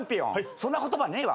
そんな言葉はねえわ。